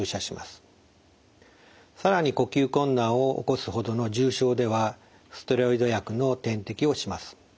更に呼吸困難を起こすほどの重症ではステロイド薬の点滴をします。